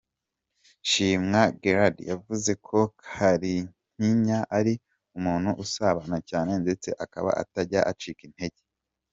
Shimwa Guelda yavuze ko Kalimpinya ari umuntu usabana cyane ndetse akaba atajya acika intege.